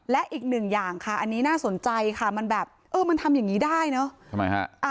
และอีกหนึ่งอย่างค่ะอันนี้น่าสนใจค่ะมันแบบเออมันทำอย่างนี้ได้เนอะ